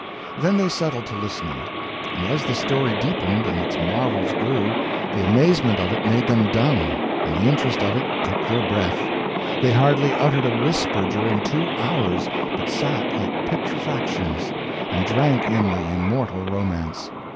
Then they settled to listening; and as the story deepened and its marvels grew, the amazement of it made them dumb, and the interest of it took their breath. They hardly uttered a whisper during two hours, but sat like petrifactions and drank in the immortal romance.